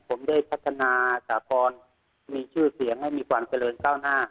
ผมได้พัฒนาสากรมีชื่อเสียงให้มีความเจริญก้าวหน้า